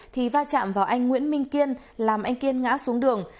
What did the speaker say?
thì va chạm vào anh nguyễn minh kiên làm anh kiên ngã xuống đường